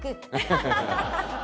ハハハハ！